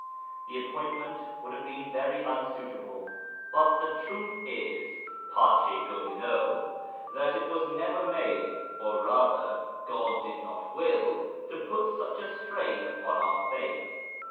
The appointment would have been very unsuitable, but the truth is (pace Gobineau) that it was never made, or rather, God did not will to put such a strain upon our faith.